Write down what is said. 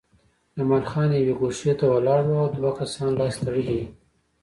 جمال خان یوې ګوښې ته ولاړ و او دوه کسان لاس تړلي وو